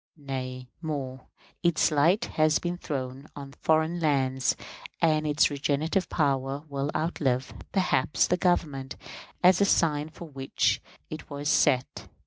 Nay, more; its light has been thrown on foreign lands, and its regenerative power will outlive, perhaps, the Government as a sign for which it was set.